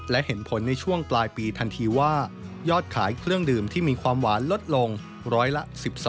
และเห็นผลในช่วงปลายปีทันทีว่ายอดขายเครื่องดื่มที่มีความหวานลดลงร้อยละ๑๒